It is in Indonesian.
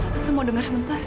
tante mau dengar sebentar